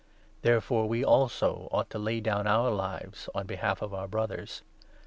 Therefore we also ought to lay down our lives on behalf of our Brothers.